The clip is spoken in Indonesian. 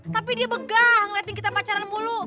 tapi dia begah ngeleting kita pacaran mulu